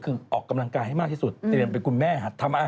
จบแล้วแค่งี้จบแล้วก็จะแต่งเค้าเลือดแต่งงานยายตาย